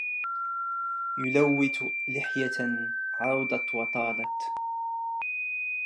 يلوث لحية عرضت وطالت